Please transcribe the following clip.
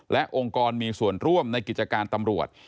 และองค์กรมีส่วนร่วมในกิจการตำรวจ